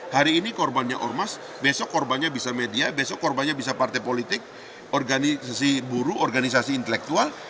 hari ini korbannya ormas besok korbannya bisa media besok korbannya bisa partai politik organisasi buruh organisasi intelektual